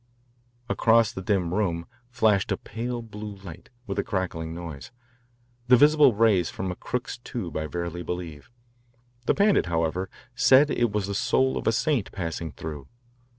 Across the dim room flashed a pale blue light with a crackling noise, the visible rays from a Crookes tube, I verily believe. The Pandit, however, said it was the soul of a saint passing through.